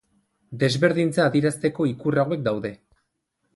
Desberdintza adierazteko ikur hauek daude.